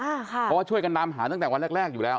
เพราะว่าช่วยกันนำหาตั้งแต่วันแรกอยู่แล้ว